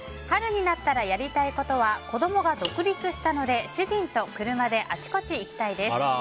春になったらやりたいことは子供が独立したので主人と車であちこち行きたいです。